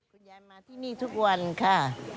คุณยายมาที่นี่ทุกวันค่ะ